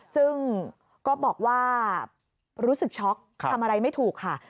ซึ่งก็บอกว่ารู้สึกช็อกทำอะไรไม่ถูกค่ะ